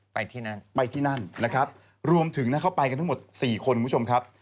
ไปที่นั่นไปที่นั่นนะครับรวมถึงนะเข้าไปกันทั้งหมดสี่คนคุณผู้ชมครับ